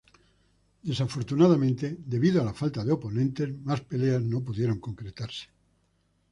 Desafortunadamente, debido a la falta de oponentes, más peleas no pudieron concretarse.